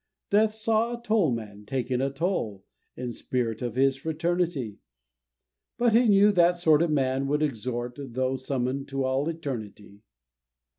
Death saw a toll man taking a toll, In the spirit of his fraternity; But he knew that sort of man would extort, Though summon'd to all eternity.